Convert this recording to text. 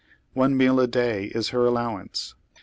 One meal a day is her allowance.